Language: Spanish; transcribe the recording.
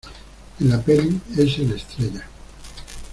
en la peli. es el Estrella .